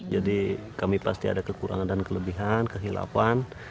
jadi kami pasti ada kekurangan dan kelebihan kehilapan